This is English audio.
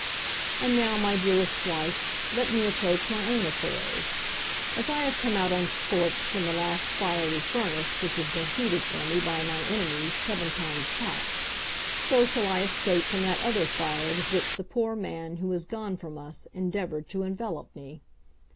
And now, my dearest wife, let me approach my own affairs. As I have come out unscorched from the last fiery furnace which has been heated for me by my enemies seven times hot, so shall I escape from that other fire with which the poor man who has gone from us endeavoured to envelop me.